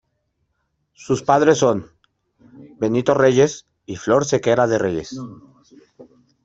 Sus padres son Benito Reyes y Flor Sequera de Reyes.